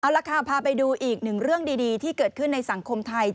เอาละค่ะพาไปดูอีกหนึ่งเรื่องดีที่เกิดขึ้นในสังคมไทย